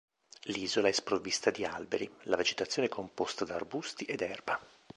L'isola è sprovvista di alberi, la vegetazione è composta da arbusti ed erba.